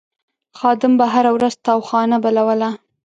خادم به هره ورځ تاوخانه بلوله.